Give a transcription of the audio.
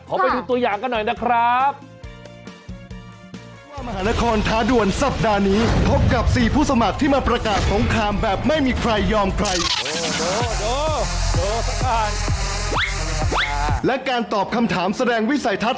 ไปดูตัวอย่างกันหน่อยนะครับ